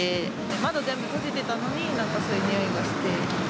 窓全部閉じてたのに、なんかそういう臭いがして。